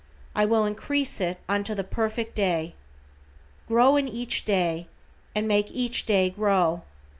I will increase it unto the Perfect Day." Grow in each day, and make each day grow.